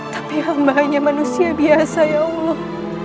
tapi amba hanya manusia biasa ya allah